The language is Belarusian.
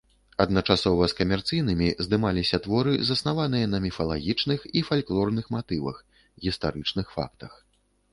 Адначасова з камерцыйнымі здымаліся творы, заснаваныя на міфалагічных і фальклорных матывах, гістарычных фактах.